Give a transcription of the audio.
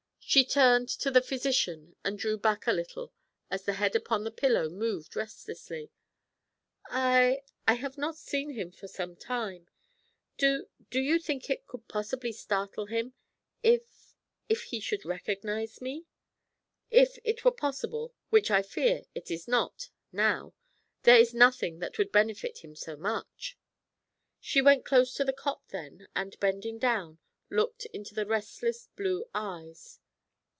She turned to the physician, and drew back a little as the head upon the pillow moved restlessly. 'I I have not seen him for some time. Do do you think it could possibly startle him if if he should recognise me?' 'If it were possible, which, I fear, it is not now there is nothing that would benefit him so much.' She went close to the cot then, and, bending down, looked into the restless blue eyes.